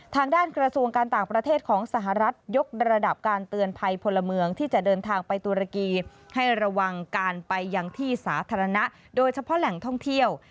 ทางด้านกระทรวงการต่างประเทศของสหรัฐยกระดับการเตือนภัยพลเมืองที่จะเดินทางไปตุรกีให้ระวังการไปยังที่สาธารณะโดยเฉพาะแหล่งท่องเที่ยว